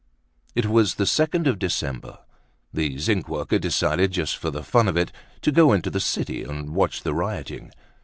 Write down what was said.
It was the second of December. The zinc worker decided, just for the fun of it, to go into the city and watch the rioting.